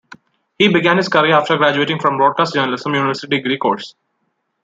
He began his career after graduating from a Broadcast Journalism university degree course.